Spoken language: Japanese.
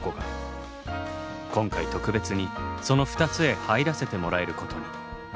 今回特別にその２つへ入らせてもらえることに。